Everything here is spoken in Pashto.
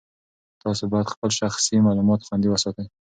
تاسي باید خپل شخصي معلومات خوندي وساتئ.